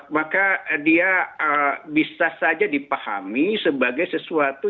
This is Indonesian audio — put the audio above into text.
maka dia bisa saja dipahami sebagai sesuatu